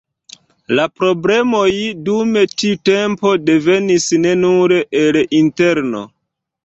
La problemoj dum tiu tempo devenis ne nur el interno.